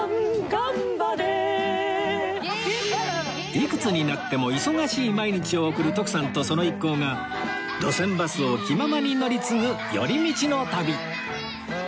いくつになっても忙しい毎日を送る徳さんとその一行が路線バスを気ままに乗り継ぐ寄り道の旅